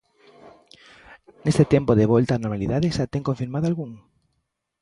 Neste tempo de volta á normalidade xa ten confirmado algún?